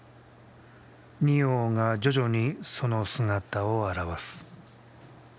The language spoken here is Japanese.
仁王が徐々にその姿を現す。